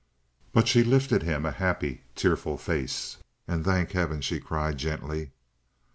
But she lifted him a happy, tearful face. "Ah, thank heaven!" she cried gently.